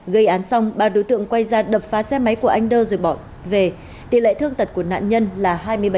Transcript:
gây án xong ba đối tượng quay ra đập phá xe máy của anh đơ rồi bỏ về tỷ lệ thương tật của nạn nhân là hai mươi bảy